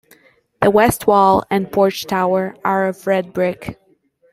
The west wall and porch-tower are of red brick.